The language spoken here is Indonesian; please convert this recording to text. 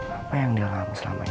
apa yang dia alami selama ini